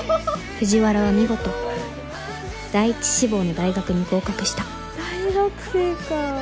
藤原は見事第一志望の大学に合格した大学生か。